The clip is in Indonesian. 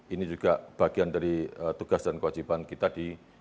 ini juga bagian dari tugas dan kewajiban kita di